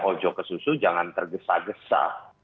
ojo ke susu jangan tergesa gesa